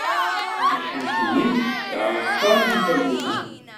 Tamacint-nni tesɛa sa n yifaguten.